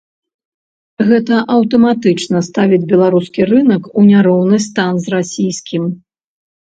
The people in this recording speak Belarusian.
Гэта аўтаматычна ставіць беларускі рынак у няроўны стан з расійскім.